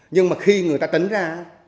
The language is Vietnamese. nhưng mà khi người ta tính ra